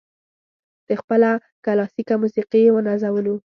په خپله کلاسیکه موسیقي یې ونازولو.